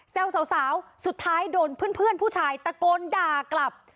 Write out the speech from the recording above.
สาวสุดท้ายโดนเพื่อนผู้ชายตะโกนด่ากลับ